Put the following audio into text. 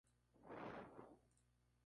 La batalla se libró en terribles condiciones.